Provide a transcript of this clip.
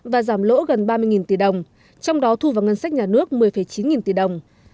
và giảm lỗ gần ba mươi tỷ đồng trong đó thu vào ngân sách nhà nước một mươi chín nghìn tỷ đồng